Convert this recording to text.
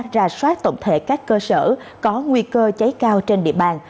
ra soát tổng thể các cơ sở có nguy cơ cháy cao trên địa bàn